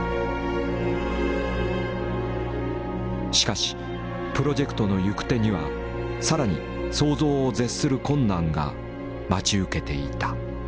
しかしプロジェクトの行く手には更に想像を絶する困難が待ち受けていた。